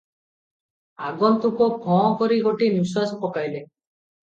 ଆଗନ୍ତୁକ ଫଁ କରି ଗୋଟିଏ ନିଶ୍ୱାସ ପକାଇଲେ ।